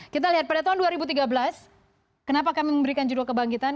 kita lihat pada tahun dua ribu tiga belas kenapa kami memberikan judul kebangkitan